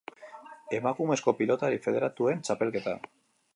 Emakumezko pilotari federatuen txapelketa.